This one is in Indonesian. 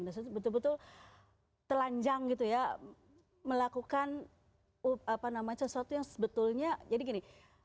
dan sebetul betul telanjang gitu ya melakukan sesuatu yang sebetulnya jadi gini